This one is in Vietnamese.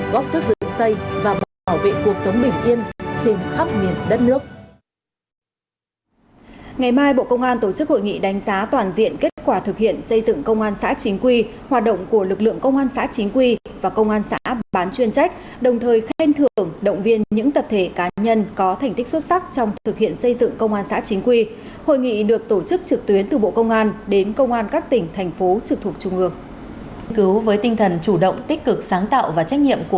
góp sức dựng xây và bảo vệ cuộc sống bình yên trên khắp miền đất nước